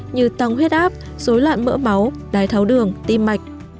như tăng huyết áp dối loạn mỡ máu đái tháo đường tim mạch